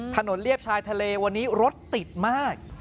เลียบชายทะเลวันนี้รถติดมาก